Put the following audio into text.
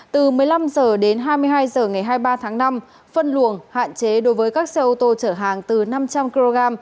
từ một mươi năm h đến hai mươi hai h ngày hai mươi ba tháng năm phân luồng hạn chế đối với các xe ô tô chở hàng từ năm trăm linh kg